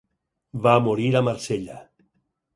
Va morir a Marsella.